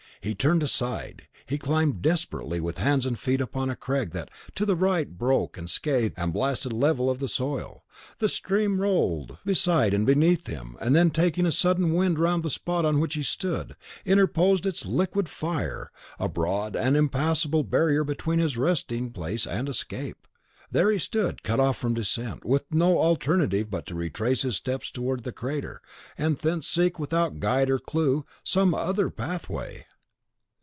He turned aside; he climbed desperately with hands and feet upon a crag that, to the right, broke the scathed and blasted level of the soil. The stream rolled beside and beneath him, and then taking a sudden wind round the spot on which he stood, interposed its liquid fire, a broad and impassable barrier between his resting place and escape. There he stood, cut off from descent, and with no alternative but to retrace his steps towards the crater, and thence seek, without guide or clew, some other pathway.